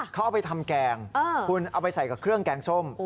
เขาเอาไปทำแกงคุณเอาไปใส่กับเครื่องแกงส้ม